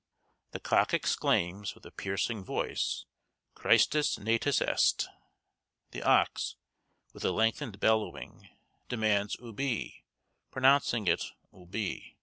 The cock exclaims, with a piercing voice, Christus natus est. The ox, with a lengthened bellowing, demands Ubi? pronouncing it oubi.